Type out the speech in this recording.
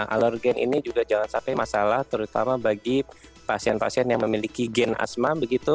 alorgen ini juga jangan sampai masalah terutama bagi pasien pasien yang memiliki gen asma begitu